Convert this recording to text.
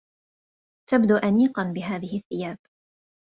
تبدوا أنيقا بهذه الثياب.